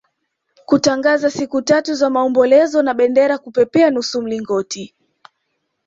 kutangaza siku tatu za maombolezo na bendera kupepea nusu mlingoti